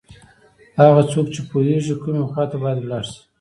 هغه څوک چې پوهېږي کومې خواته باید ولاړ شي.